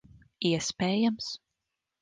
Iespējams.